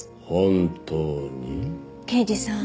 刑事さん